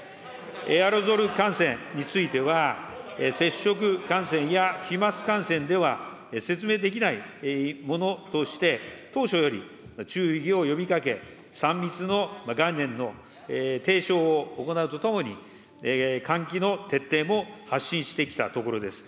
エアロゾル感染については、接触感染や飛まつ感染では説明できないものとして、当初より注意を呼びかけ、３密の概念の提唱を行うとともに、換気の徹底も発信してきたところです。